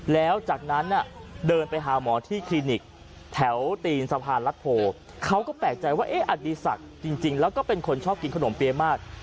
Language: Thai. แล้วจากนั้นเดินไปหาหมอที่คลินิกแถวตีนสะพานรัฐโพเขาก็แปลกใจว่าอดีศักดิ์จริงแล้วก็เป็นคนชอบกินขนมเปี๊ยมาก